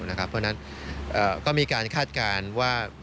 เพราะฉะนั้นก็มีการคาดการณ์ว่า